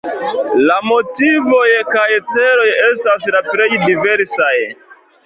La motivoj kaj celoj estas la plej diversaj.